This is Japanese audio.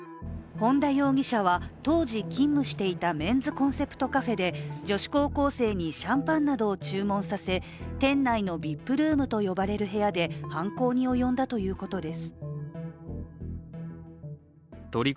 本田容疑者は、当時勤務していたメンズコンセプトカフェで女子高校生にシャンパンなどを注文させ店内のＶＩＰルームと呼ばれる部屋で犯行に及んだということです。